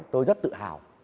tôi rất tự hào